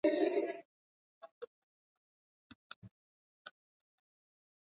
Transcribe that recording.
hadi tarehe thelathini na moja mwezi wa kumi na mbili